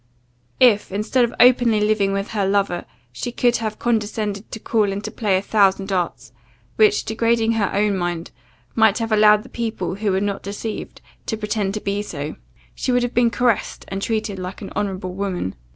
If, instead of openly living with her lover, she could have condescended to call into play a thousand arts, which, degrading her own mind, might have allowed the people who were not deceived, to pretend to be so, she would have been caressed and treated like an honourable woman.